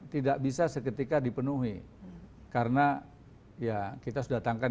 tidak bisa seketika dipenuhi karena kita sudah datangkan